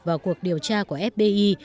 vào cuộc điều tra của fbi